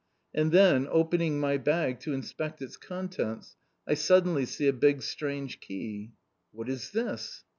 And then, opening my bag to inspect its contents, I suddenly see a big strange key. What is this?